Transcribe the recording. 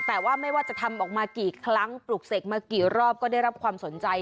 แต่ว่าจะทำกี่ครั้งปลูกใส่มันกี่รอบก็ได้รับความสนใจ